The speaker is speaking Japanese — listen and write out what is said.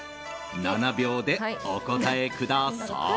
７秒でお答えください。